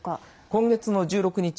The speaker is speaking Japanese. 今月の１６日